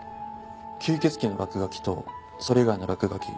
吸血鬼の落書きとそれ以外の落書き